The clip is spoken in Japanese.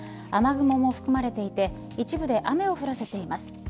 雨雲も含まれていて一部で雨を降らせています。